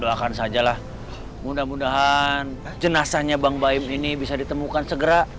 doakan sajalah mudah mudahan jenazahnya bang baim ini bisa ditemukan segera